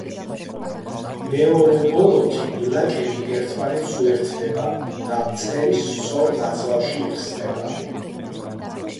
მეორე ბოლოთი მილაკები ერთმანეთს უერთდება და მწერის სწორ ნაწლავში იხსნება.